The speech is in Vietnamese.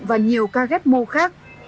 và nhiều ca ghép mô khác